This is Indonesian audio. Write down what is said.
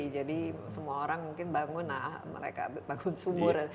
jadi semua orang mungkin bangun nah mereka bangun sumur